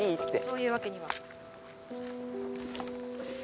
そういうわけには。